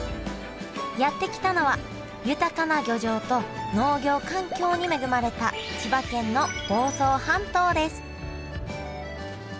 やって来たのは豊かな漁場と農業環境に恵まれた千葉県の房総半島です